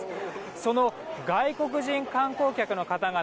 その外国人観光客の方々